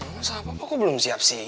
masa papa kok belum siap sih